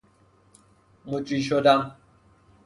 مجری شدن